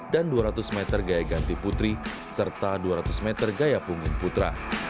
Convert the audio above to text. dan dua ratus meter gaya ganti putri serta dua ratus meter gaya punggung putra